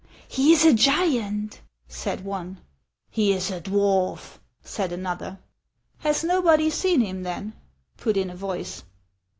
" He is a giant," said one. " He is a dwarf," said another. " Has nobody seen him, then ?" put in a voice.